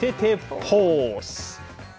ポーズ！